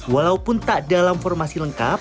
walaupun tak dalam formasi lengkap